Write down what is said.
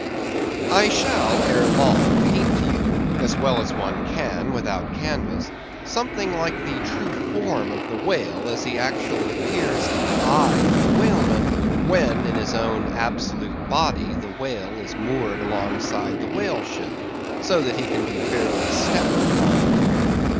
I shall ere long paint to you as well as one can without canvas, something like the true form of the whale as he actually appears to the eye of the whaleman when in his own absolute body the whale is moored alongside the whale ship so that he can be fairly stepped upon there.